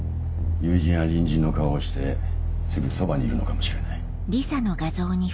友人や隣人の顔をしてすぐそばにいるのかもしれない。